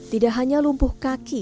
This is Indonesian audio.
tidak hanya lumpuh kaki